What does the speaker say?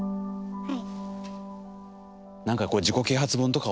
はい。